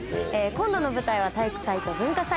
今度の舞台は体育祭と文化祭。